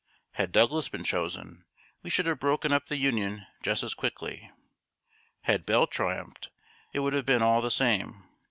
Had Douglas been chosen, we should have broken up the Union just as quickly. Had Bell triumphed, it would have been all the same.